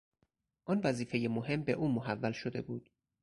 آن وظیفه مهم به او محول شده بود